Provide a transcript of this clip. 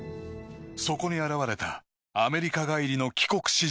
そこに現れたアメリカ帰りの帰国子女。